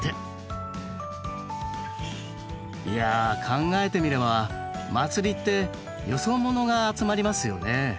いや考えてみれば祭りってよそ者が集まりますよね。